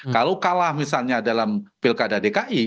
kalau kalah misalnya dalam pilkada dki